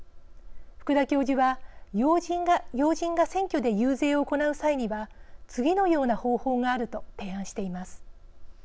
福田教授は要人が選挙で遊説を行う際には次のような方法があると提案しています。